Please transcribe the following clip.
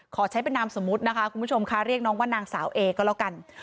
ขอใช้เป็นนามสมมุตินะคะคุณผู้ชมค่ะเรียกน้องว่านางสาวเอก็แล้วกัน